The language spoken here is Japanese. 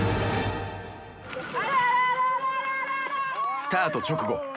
スタート直後。